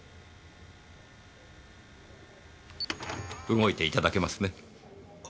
動いていただけますね？